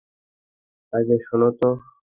আগে শোন তো?